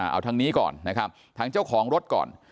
เอาทางนี้ก่อนนะครับทางเจ้าของรถก่อน